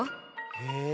へえ。